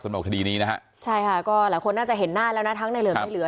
สำหรับสำหรับคดีนี้นะฮะใช่ค่ะก็หลายคนน่าจะเห็นหน้าแล้วนะทั้งในเหลือ